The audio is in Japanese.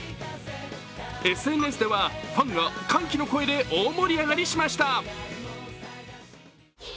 ＳＮＳではファンが歓喜の声で大盛り上がりしました。